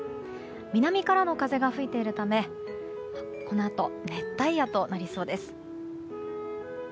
南からの風が吹いているためこのあと熱帯夜となりそうです。